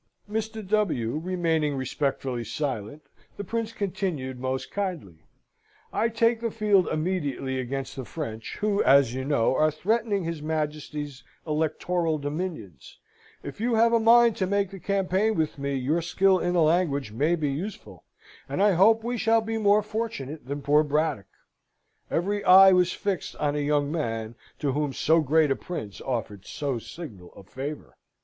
Mr. W. remaining respectfully silent, the Prince continued, most kindly: "I take the field immediately against the French, who, as you know, are threatening his Majesty's Electoral dominions, If you have a mind to make the campaign with me, your skill in the language may be useful, and I hope we shall be more fortunate than poor Braddock!" Every eye was fixed on a young man to whom so great a Prince offered so signal a favour.